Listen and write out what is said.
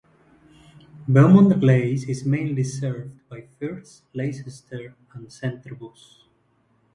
Beaumont Leys is mainly served by First Leicester and Centrebus.